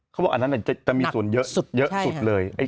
เขาบอกอันนั้นจะมีส่วนเยอะสุดเลย